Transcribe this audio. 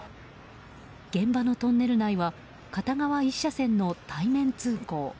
現場のトンネル内は片側１車線の対面通行。